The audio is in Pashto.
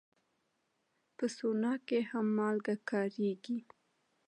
په سونا کې هم مالګه کارېږي.